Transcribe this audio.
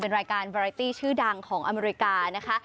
รายการบราตี้ชื่อดังของอเมริกานะคะ